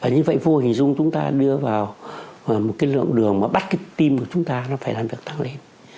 như vậy vô hình dung chúng ta đưa vào một cái lượng đường mà bắt cái tim của chúng ta nó phải làm được tăng lên